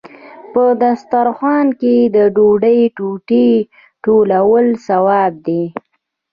په دسترخان کې د ډوډۍ ټوټې ټولول ثواب دی.